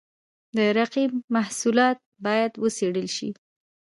د رقیب محصولات باید وڅېړل شي.